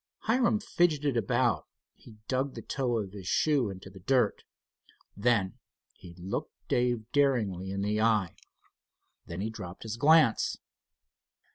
Hiram fidgeted about. He dug the toe of his shoe into the dirt. Then he looked Dave daringly in the eye. Then he dropped his glance.